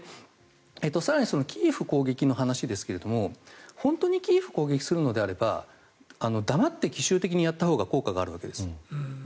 更にキーウ攻撃の話ですが本当に本当にキーウを攻撃するのであれば黙って奇襲的にやったほうが効果があるわけです。